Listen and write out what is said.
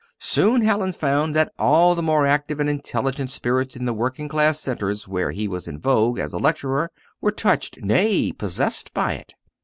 Soon Hallin found, that all the more active and intelligent spirits in the working class centres where he was in vogue as a lecturer were touched nay, possessed by it.